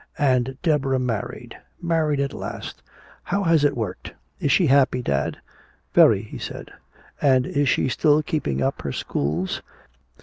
"And Deborah married married at last! How has it worked? Is she happy, dad?" "Very," he said. "And is she still keeping up her schools?"